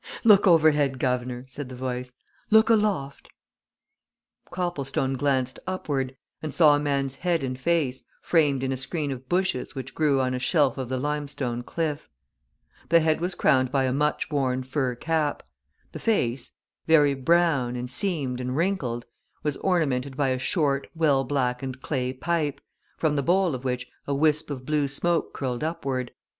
"Look overhead, guv'nor," said the voice. "Look aloft!" Copplestone glanced upward, and saw a man's head and face, framed in a screen of bushes which grew on a shelf of the limestone cliff. The head was crowned by a much worn fur cap; the face, very brown and seamed and wrinkled, was ornamented by a short, well blackened clay pipe, from the bowl of which a wisp of blue smoke curled upward.